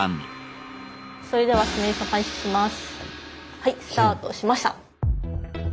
はいスタートしました。